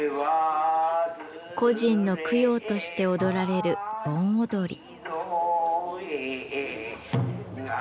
故人の供養として踊られる盆踊り。